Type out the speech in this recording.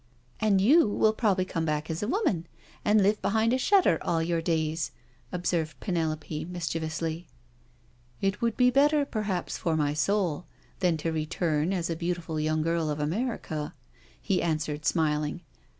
" And you will probably come back as a woman, and live behind a shutter all your days," observed Penelope mbchievously. It would be better perhaps for my soul, than to return as a beautiful young girl of America," he an swered, smiling.